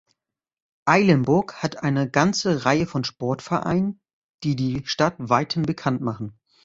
Eilenburg hat eine ganze Reihe von Sportvereinen, die die Stadt weithin bekannt machen.